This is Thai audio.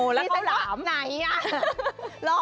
คลิปไว้แรงครับ